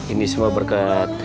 ini semua berkat dukungan lu